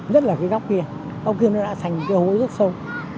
rất là cái góc kia góc kia nó đã thành cái hố rất sâu